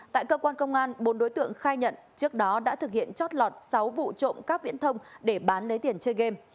tại cơ quan công an bốn đối tượng khai nhận trước đó đã thực hiện chót lọt sáu vụ trộm cắp viễn thông để bán lấy tiền chơi game